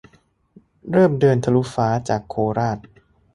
- เริ่ม เดินทะลุฟ้า จากโคราช